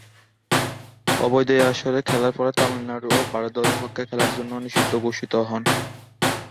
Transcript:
অবৈধ এ আসরে খেলার ফলে তামিলনাড়ু ও ভারত দলের পক্ষে খেলার জন্যে নিষিদ্ধ ঘোষিত হন।